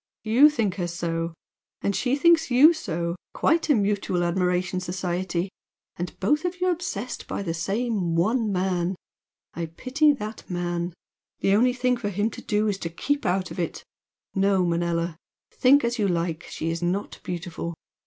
YOU think her so! And SHE thinks you so! Quite a mutual admiration society! And both of you obsessed by the same one man! I pity that man! The only thing for him to do is to keep out of it! No, Manella! think as you like, she is not beautiful.